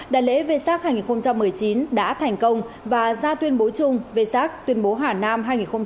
đại lễ về sát hai nghìn một mươi chín đã thành công và ra tuyên bố chung về sát tuyên bố hà nam hai nghìn một mươi chín